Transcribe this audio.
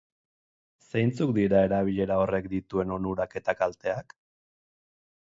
Zeintzuk dira erabilera horrek dituen onurak eta kalteak?